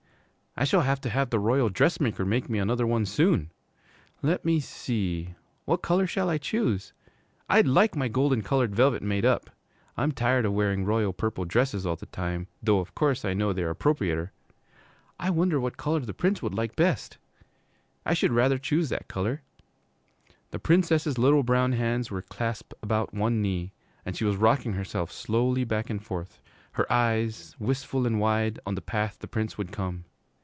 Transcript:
'I shall have to have the Royal Dressmaker make me another one soon. Let me see what color shall I choose? I'd like my gold colored velvet made up. I'm tired of wearing royal purple dresses all the time, though of course I know they're appropriater. I wonder what color the Prince would like best? I should rather choose that color.' The Princess's little brown hands were clasped about one knee, and she was rocking herself slowly back and forth, her eyes, wistful and wide, on the path the Prince would come.